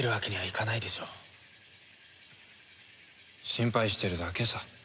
心配してるだけさ。